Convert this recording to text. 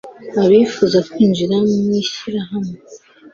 abifuza kwinjira mu ishyirahamwe